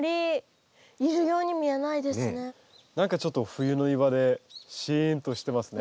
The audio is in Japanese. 何かちょっと冬の庭でシーンとしてますね。